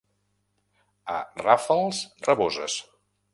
A Ràfels, raboses.